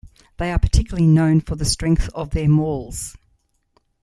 They are particularly known for the strength of their mauls.